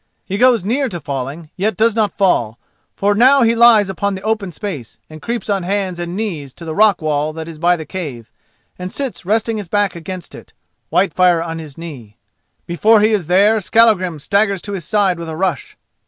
He goes near to falling, yet does not fall, for now he lies upon the open space, and creeps on hands and knees to the rock wall that is by the cave, and sits resting his back against it, Whitefire on his knee. Before he is there, Skallagrim staggers to his side with a rush.